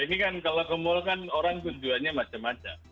ini kan kalau ke mall kan orang tujuannya macam macam